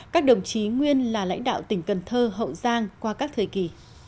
các đồng chí nguyên là lãnh đạo tỉnh cần thơ hậu giang qua các thời kỳ